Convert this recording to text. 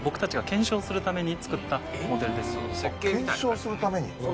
検証するために？